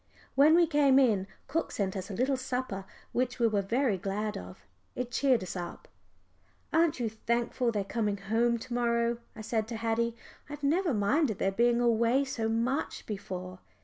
When we came in, cook sent us a little supper which we were very glad of; it cheered us up. "Aren't you thankful they're coming home to morrow?" I said to Haddie. "I've never minded their being away so much before."